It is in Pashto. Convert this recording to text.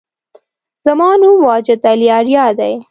زما نوم واجد علي آریا دی